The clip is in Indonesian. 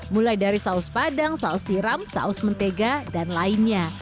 mulai dari saus padang saus tiram saus mentega dan lainnya